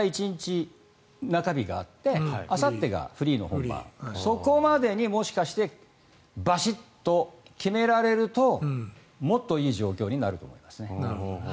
１日、中日があってあさってがフリーの本番そこまでにもしかしてバシッと決められるともっといい状況になると思いますね。